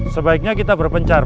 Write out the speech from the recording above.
sebaiknya kita berpencar pak